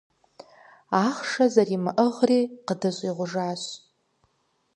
Ахъшэ зэримыӀыгъри къыдыщӀигъужащ.